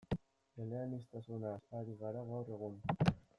Eleaniztasunaz ari gara gaur egun.